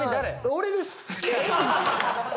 俺です。